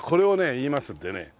言いますんでね